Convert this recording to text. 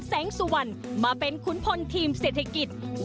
แสงสุวรรณมาเป็นขุนพลทีมเศรษฐกิจ